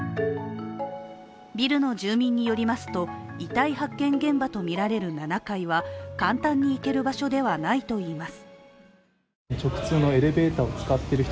ビルの住民によりますと遺体発見現場とみられる７階は簡単に行ける場所ではないといいます。